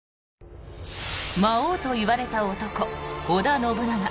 魔王といわれた男織田信長。